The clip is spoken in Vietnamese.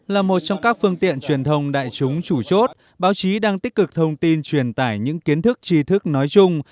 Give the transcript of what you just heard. là một trong các phương tiện truyền thông đại chúng chủ chốt báo chí đang tích cực thông tin truyền tải những kiến thức tri thức nói chung